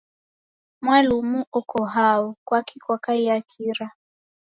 Mwalumu oko hao, kwaki kwakaiya kira?